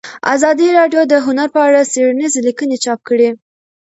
ازادي راډیو د هنر په اړه څېړنیزې لیکنې چاپ کړي.